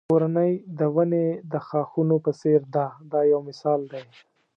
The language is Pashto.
کورنۍ د ونې د ښاخونو په څېر ده دا یو مثال دی.